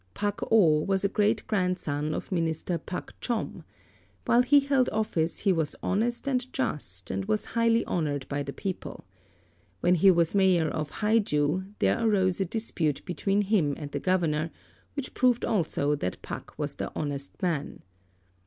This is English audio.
Pak Oo was a great grandson of Minister Pak Chom. While he held office he was honest and just and was highly honoured by the people. When he was Mayor of Hai ju there arose a dispute between him and the Governor, which proved also that Pak was the honest man.